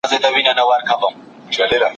هغه په کيڼ لاس جنگ وکړ.